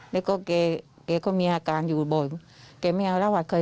แล้วเราก็มีอาการยู่บ่อยแต่ไม่เอาระวัดเคย